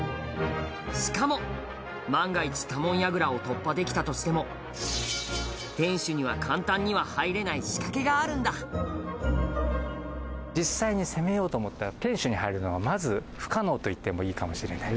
しかも、万が一多聞櫓を突破できたとしても天守には簡単には入れない仕掛けがあるんだ実際に攻めようと思ったら天守に入るのはまず不可能と言ってもいいかもしれない。